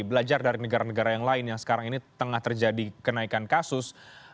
belajar dari negara negara yang lain yang sekarang ini tengah terjadi kenaikan kasus